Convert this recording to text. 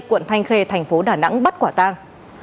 quận thanh khê thành phố đà nẵng bắt quả tang